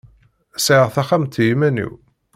Sɛiɣ taxxamt i iman-iw.